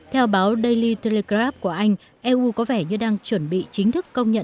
theo báo daily telegrap của anh eu có vẻ như đang chuẩn bị chính thức công nhận